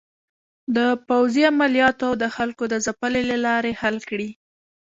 د پوځې عملیاتو او د خلکو د ځپلو له لارې حل کړي.